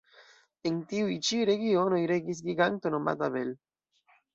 En tiuj ĉi regionoj regis giganto nomata Bel.